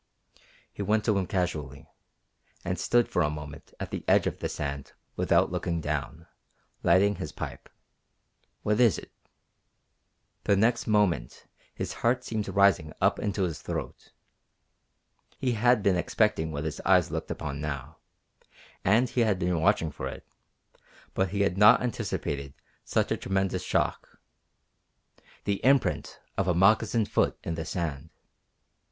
He went to him casually, and stood for a moment at the edge of the sand without looking down, lighting his pipe. "What is it?" The next moment his heart seemed rising up into his throat. He had been expecting what his eyes looked upon now, and he had been watching for it, but he had not anticipated such a tremendous shock. The imprint of a moccasined foot in the sand!